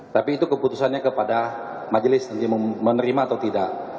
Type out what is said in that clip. tapi itu keputusannya kepada majelis nanti menerima atau tidak